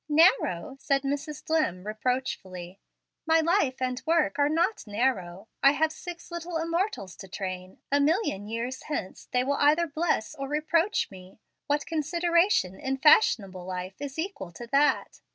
"Narrow!" said Mrs. Dlimm, reproachfully; "my life and work are not narrow. I have six little immortals to train. A million years hence they will either bless or reproach me. What consideration in fashionable life is equal to that?